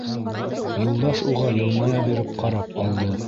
Юлдаш уға йылмая биреп ҡарап алды.